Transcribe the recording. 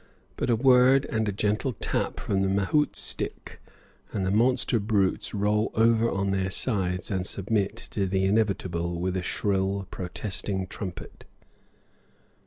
But a word and a gentle tap from the mahout's stick and the monster brutes roll over on their sides and submit to the inevitable with a shrill protesting trumpet.